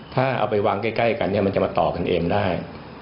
ถ้าเอาไปวางใกล้กันเนี่ยมันจะมาต่อกันเองได้